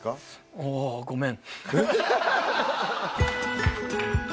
「ああごめん」